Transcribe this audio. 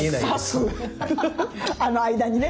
あの間にね